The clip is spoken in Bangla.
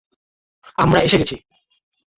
আমরা এসে গেছি!